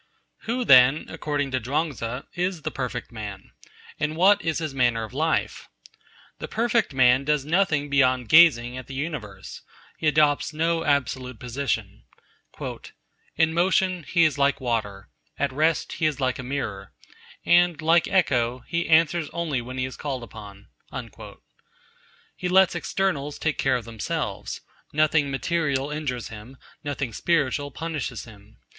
Who, then, according to Chuang Tzu, is the perfect man? And what is his manner of life? The perfect man does nothing beyond gazing at the universe. He adopts no absolute position. 'In motion, he is like water. At rest, he is like a mirror. And, like Echo, he answers only when he is called upon.' He lets externals take care of themselves. Nothing material injures him; nothing spiritual punishes him.